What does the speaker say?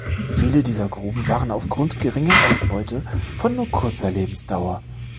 Viele dieser Gruben waren aufgrund geringer Ausbeute von nur kurzer Lebensdauer.